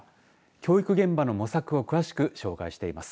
教育現場の模索を詳しく紹介しています。